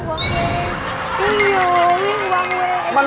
ขึ้นอยู่วิ่งวังเวง